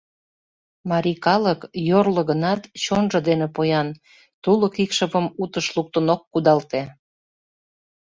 Марий калык, йорло гынат, чонжо дене поян, тулык икшывым утыш луктын ок кудалте...